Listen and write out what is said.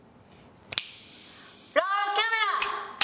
ロールキャメラ！